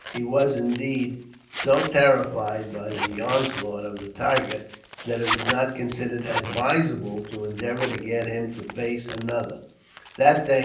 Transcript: He was, indeed, so terrified by the onslaught of the tiger, that it was not considered advisable to endeavour to get him to face another, that day.